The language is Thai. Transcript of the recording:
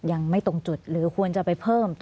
ยังไม่ตรงจุดหรือควรจะไปเพิ่ม